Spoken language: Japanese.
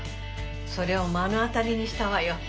それを目の当たりにしたわよ。